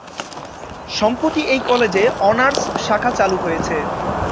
সম্প্রতি এই কলেজে অনার্স শাখা চালু হয়েছে।